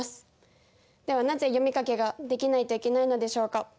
ではなぜ読み書きができないといけないのでしょうか。